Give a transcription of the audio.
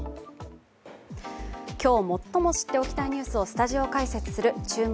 今日最も知っておきたいニュースをスタジオ解説する「注目！